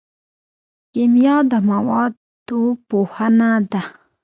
کیمیا د موادو پوهنه ده